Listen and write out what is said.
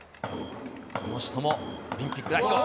この人もオリンピック代表。